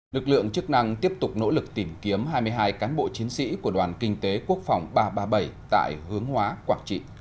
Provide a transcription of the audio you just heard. lực lượng chức năng tiếp tục nỗ lực tìm kiếm hai mươi hai cán bộ chiến sĩ của đoàn kinh tế quốc phòng ba trăm ba mươi bảy tại hướng hóa quảng trị